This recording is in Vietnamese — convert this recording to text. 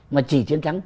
mà chỉ chiến thắng